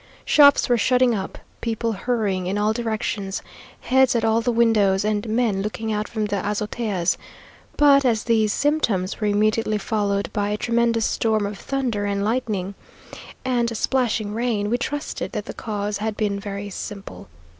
Shops were shutting up; people hurrying in all directions, heads at all the windows, and men looking out from the azoteas; but as these symptoms were immediately followed by a tremendous storm of thunder and lightning and splashing rain, we trusted that the cause had been very simple.